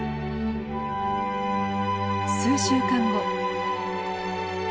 数週間後。